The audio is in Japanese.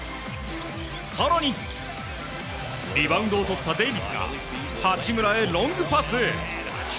更に、リバウンドをとったデイビスが八村へロングパス。